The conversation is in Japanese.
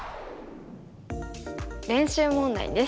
練習問題です。